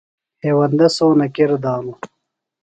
ہیوندہ سونہ کِر دانوۡ۔